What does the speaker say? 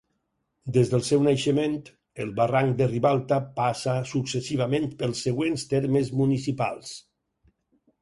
Des del seu naixement, el Barranc de Ribalta passa successivament pels següents termes municipals.